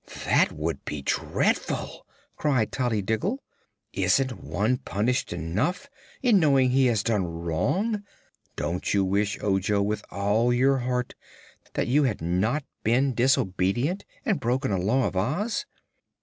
"That would be dreadful!" cried Tollydiggle. "Isn't one punished enough in knowing he has done wrong? Don't you wish, Ojo, with all your heart, that you had not been disobedient and broken a Law of Oz?"